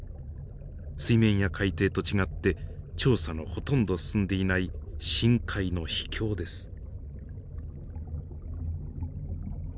水面や海底と違って調査のほとんど進んでいない深海の秘境です。